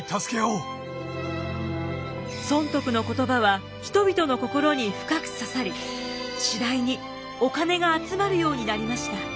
尊徳の言葉は人々の心に深く刺さり次第にお金が集まるようになりました。